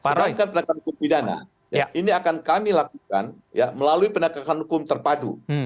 sedangkan penegakan hukum pidana ini akan kami lakukan melalui penegakan hukum terpadu